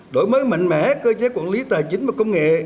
đổi mới mạnh mẽ cơ chế quản lý tài chính và công nghệ